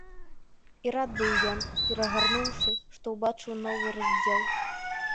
І рад быў ён, перагарнуўшы, што ўбачыў новы раздзел.